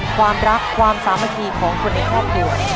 ความรักความสามัคคีของคนในครอบครัว